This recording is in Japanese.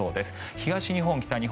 東日本、北日本